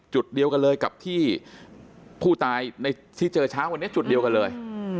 จุดเดียวกันเลยกับที่ผู้ตายในที่เจอเช้าวันนี้จุดเดียวกันเลย